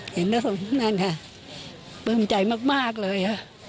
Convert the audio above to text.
เห็นแล้วนั่นค่ะปลื้มใจมากเลยค่ะ